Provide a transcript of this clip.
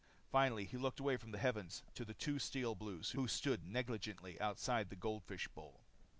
Finally he looked away from the heavens to the two Steel Blues who stood negligently outside the goldfish bowl.